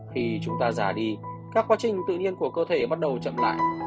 khi chúng ta giả đi các quá trình tự nhiên của cơ thể bắt đầu chậm lại